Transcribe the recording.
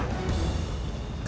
put lo kenapa